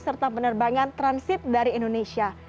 serta penerbangan transit dari indonesia